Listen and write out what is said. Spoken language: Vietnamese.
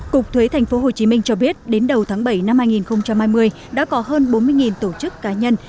cục thuế tp hcm cho biết đến đầu tháng bảy năm hai nghìn hai mươi đã có hơn bốn mươi tổ chức cá nhân